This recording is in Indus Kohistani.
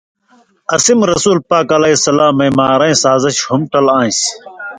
اسی مہ رسولِ پاک علیہ سلامَیں مارَیں سازش ہُم ٹل آن٘سیۡ۔